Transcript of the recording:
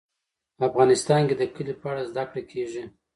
افغانستان کې د کلي په اړه زده کړه کېږي.